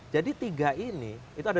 jadi tiga ini itu ada